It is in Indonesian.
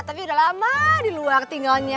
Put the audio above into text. tapi udah lama di luar tinggalnya